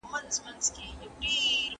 پیکه ژوندون به ښکلی سو په هغه شیبه یاره